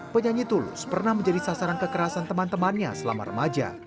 penyanyi tulus pernah menjadi sasaran kekerasan teman temannya selama remaja